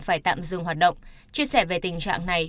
phải tạm dừng hoạt động chia sẻ về tình trạng này